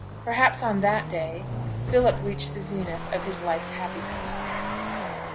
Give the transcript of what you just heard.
Perhaps on that day Philip reached the zenith of his life's happiness.